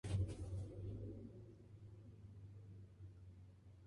Philip Seymour Hoffman ganó el premio Óscar por su interpretación de Truman Capote.